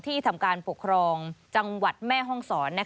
ทำการปกครองจังหวัดแม่ห้องศร